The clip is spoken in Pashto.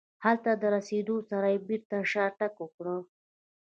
هلته له رسېدو سره یې بېرته شاتګ وکړ.